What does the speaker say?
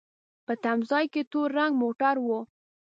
په تم ځای کې تور رنګ موټر و.